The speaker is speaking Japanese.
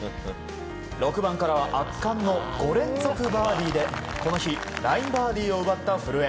６番からは圧巻の５連続バーディーでこの日９バーディーを奪った古江。